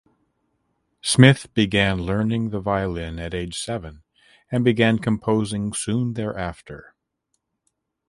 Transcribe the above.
Smith began learning the violin at age seven and began composing soon thereafter.